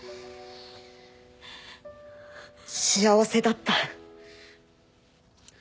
幸せだった。